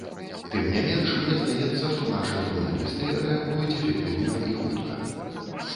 Тым не менш, мне здаецца, што нашы журналісты рэагуюць эфектыўна і хутка.